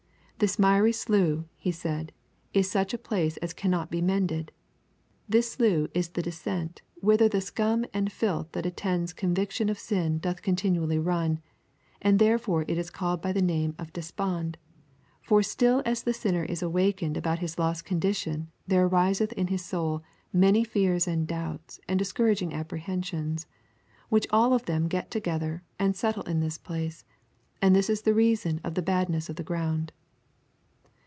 'This miry slough,' he said, 'is such a place as cannot be mended. This slough is the descent whither the scum and filth that attends conviction of sin doth continually run, and therefore it is called by the name of Despond, for still as the sinner is awakened about his lost condition there ariseth in his soul many fears and doubts and discouraging apprehensions, which all of them get together, and settle in this place, and this is the reason of the badness of the ground.'